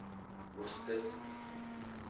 votre tête.